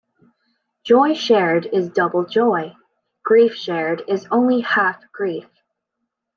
Joy shared is double joy; grief shared is only half grief.